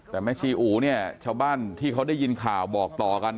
แต่แม่ชีอู๋เนี่ยชาวบ้านที่เขาได้ยินข่าวบอกต่อกัน